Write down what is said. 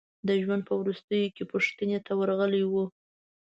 د ژوند په وروستیو کې پوښتنې ته ورغلي وو.